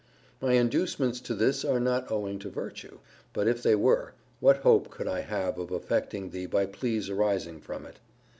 My inducements to this are not owing to virtue: But if they were, what hope could I have of affecting thee by pleas arising from it?